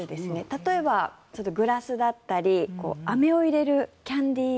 例えばグラスだったりアメを入れるキャンディー